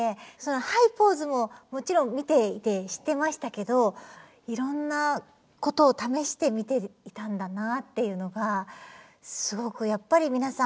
「ハイ・ポーズ」ももちろん見ていて知ってましたけどいろんなことを試してみていたんだなあっていうのがすごくやっぱり皆さん